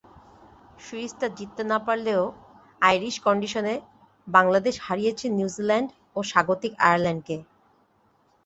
সিরিজটা জিততে না পারলেও আইরিশ কন্ডিশনে বাংলাদেশ হারিয়েছে নিউজিল্যান্ড ও স্বাগতিক আয়ারল্যান্ডকে।